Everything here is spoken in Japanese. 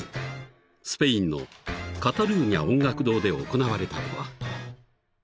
［スペインのカタルーニャ音楽堂で行われたのは］